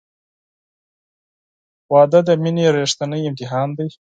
• واده د مینې ریښتینی امتحان دی.